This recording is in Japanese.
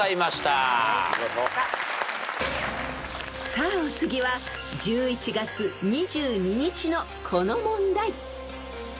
［さあお次は１１月２２日のこの問題］